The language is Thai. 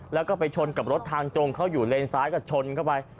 แล้วก็ไปชนกับรถทางตรงเขาอยู่เลนซ้ายก็ชนเข้าไป